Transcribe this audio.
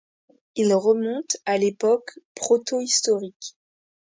Il remonte à l'époque protohistorique.